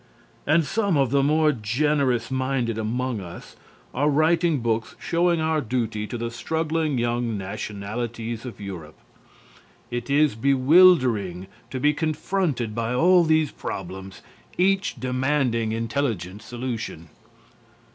And some of the more generous minded among us are writing books showing our duty to the struggling young nationalities of Europe. It is bewildering to be confronted by all these problems, each demanding intelligent solution.